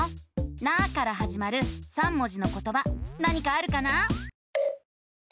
「な」からはじまる３文字のことば何かあるかな？